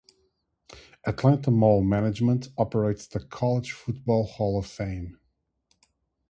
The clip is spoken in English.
Atlanta Hall Management operates the College Football Hall of Fame.